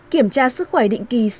kiểm tra sức khỏe định kỳ